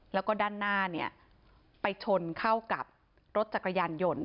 แล้วก็ด้านหน้าเนี่ยไปชนเข้ากับรถจักรยานยนต์